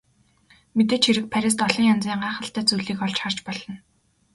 Мэдээж хэрэг Парист олон янзын гайхалтай зүйлийг олж харж болно.